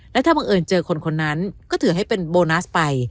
และถ้าบังเอิญเจอคนคนนั้นก็ถือให้เป็นโบนัสไป